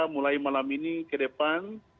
mulai malam ini ke depan